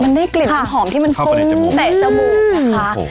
มันได้กลิ่นหอมที่มันฟุ้งเตะจมูกนะคะ